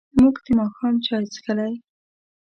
موږ د ماښام چای څښلی.